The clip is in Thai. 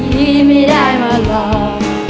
ไม่ได้มาหลอก